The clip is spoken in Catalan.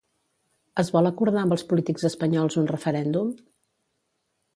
Es vol acordar amb els polítics espanyols un referèndum?